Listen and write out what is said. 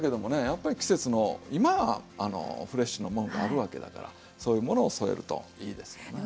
やっぱり季節の今はフレッシュのものがあるわけだからそういうものを添えるといいですよな。